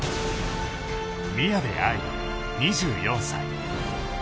宮部藍梨２４歳。